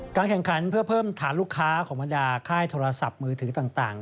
แข่งขันเพื่อเพิ่มฐานลูกค้าของบรรดาค่ายโทรศัพท์มือถือต่าง